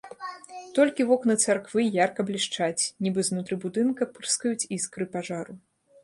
Толькі вокны царквы ярка блішчаць, нібы знутры будынка пырскаюць іскры пажару.